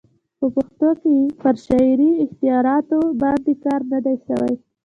په پښتو کښي پر شعري اختیاراتو باندي کار نه دئ سوى.